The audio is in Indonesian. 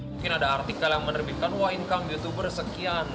mungkin ada arti kalian menerbitkan wah income youtuber sekian